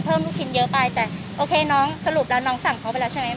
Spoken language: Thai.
ลูกชิ้นเยอะไปแต่โอเคน้องสรุปแล้วน้องสั่งเขาไปแล้วใช่ไหม